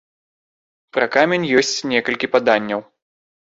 Пра камень ёсць некалькі паданняў.